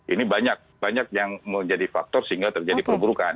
ini banyak banyak yang menjadi faktor sehingga terjadi perburukan